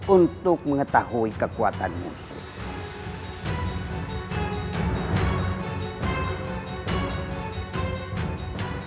untuk mengetahui kekuatan musuh